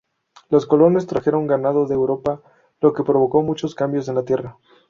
Los colonos trajeron ganado de Europa lo que provocó muchos cambios en la tierra.